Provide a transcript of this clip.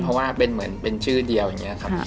เพราะว่าเป็นเหมือนเป็นชื่อเดียวอย่างนี้ครับ